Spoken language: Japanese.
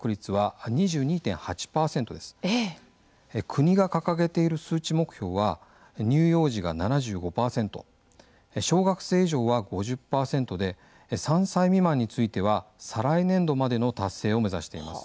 国が掲げている数値目標は乳幼児が７５％小学生以上は５０％で３歳未満については再来年度までの達成を目指しています。